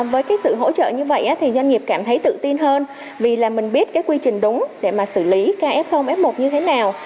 với sự hỗ trợ như vậy thì doanh nghiệp cảm thấy tự tin hơn vì mình biết quy trình đúng để xử lý ca f f một như thế nào